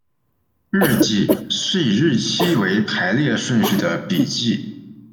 日记是以日期为排列顺序的笔记。